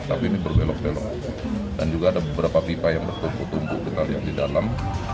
tapi ini berbelok belok dan juga ada beberapa pipa yang bertumpu tumpu kita lihat di dalam